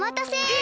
え